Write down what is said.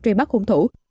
truy bắt hung thủ